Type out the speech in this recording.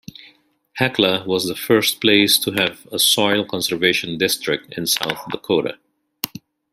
Hecla was the first place to have a soil conservation district in South Dakota.